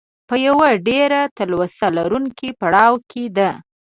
په یوه ډېره تلوسه لرونکي پړاو کې ده.